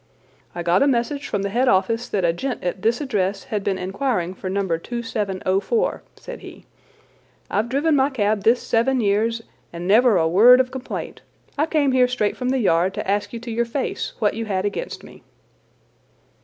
"I got a message from the head office that a gent at this address had been inquiring for No. 2704," said he. "I've driven my cab this seven years and never a word of complaint. I came here straight from the Yard to ask you to your face what you had against me."